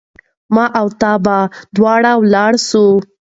ما او تا به دواړه ولاړ سو